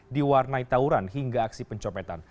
diwarnai tawuran hingga aksi pencopetan